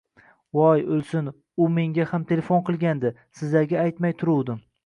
Voy, o`lsin, u menga ham telefon qilgandi, sizlarga aytmay turuvdim